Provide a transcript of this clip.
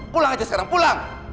pulang aja sekarang pulang